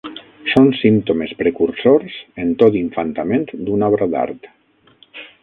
Són símptomes precursors en tot infantament d'una obra d'art